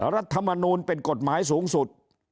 รัฐมนูลเป็นกฎหมายสูงสุด